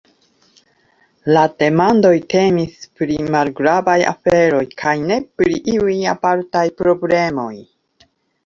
La demandoj temis pri malgravaj aferoj kaj ne pri iuj apartaj problemoj.